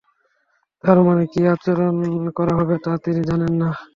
তাঁর সাথে কী আচরণ করা হবে তা তিনি জানেন না।